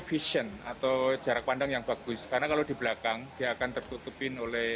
vision atau jarak pandang yang bagus karena kalau di belakang dia akan tertutupin oleh